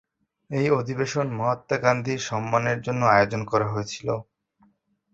এই অধিবেশন মহাত্মা গান্ধীর সম্মানের জন্য আয়োজন করা হয়েছিল।